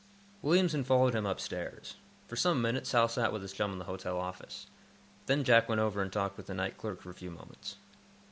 Williamson followed him upstairs. For some minutes Hal sat with his chum in the hotel office. Then Jack went over and talked with the night clerk for a few moments.